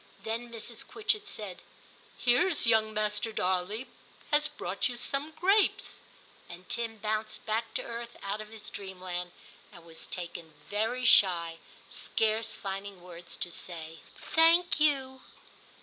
Then Mrs. Quitchett said, ' Here's young Master Darley has brought you some grapes,' and Tim bounced back to earth out of his dreamland, and was taken very shy, scarce finding words to say ' Thank you.